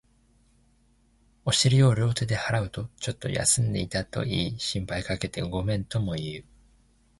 お尻を両手で払うと、ちょっと休んでいたと言い、心配かけてごめんとも言う